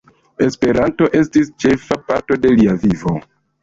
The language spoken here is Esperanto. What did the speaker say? Esperanto estis ĉefa parto de lia vivo.